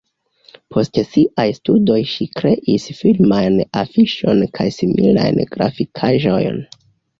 Post siaj studoj ŝi kreis filmajn afiŝojn kaj similajn grafikaĵojn.